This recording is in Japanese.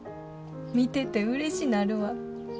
見ててうれしなるわ。